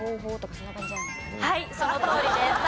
はいそのとおりです。